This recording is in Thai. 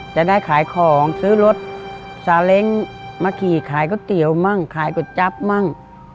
จะได้ขายของซื้อรถซาเล้งมาขี่ขายก๋วยเตี๋ยวมั่งขายก๋วยจับมั่ง